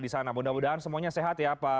di sana mudah mudahan semuanya sehat ya pak